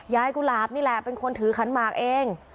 กุหลาบนี่แหละเป็นคนถือขันหมากเอง